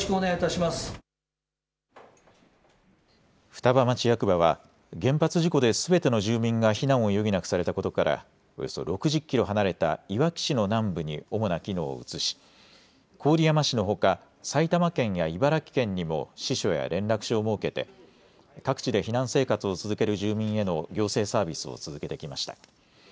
双葉町役場は原発事故ですべての住民が避難を余儀なくされたことから、およそ６０キロ離れたいわき市の南部に主な機能を移し郡山市のほか埼玉県や茨城県にも支所や連絡所を設けて各地で避難生活を続ける住民への行政サービスを続けてきました。